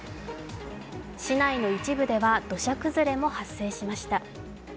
市内の一部では土砂崩れも発生しました。